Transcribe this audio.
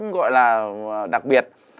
gọi là đặc biệt